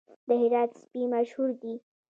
د هرات سپي مشهور دي